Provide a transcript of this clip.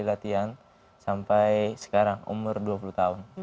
latihan sampai sekarang umur dua puluh tahun